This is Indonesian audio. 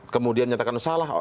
kemudian menyatakan salah